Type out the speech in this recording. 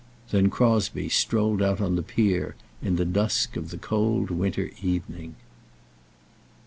Then Crosbie strolled out on the pier in the dusk of the cold winter evening.